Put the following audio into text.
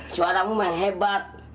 suaramu main hebat